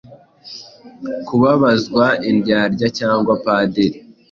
Kubabazwa Indyarya cyangwa Padiri